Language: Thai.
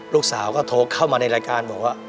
ลูกสาวก็โทรเข้ามาในรายการบอกว่า